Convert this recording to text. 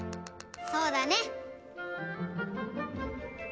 そうだね！